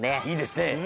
いいですね！